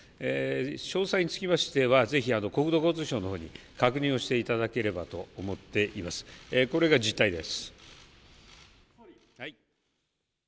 詳細につきましてはぜひ国土交通省に確認をしていただければと思っています。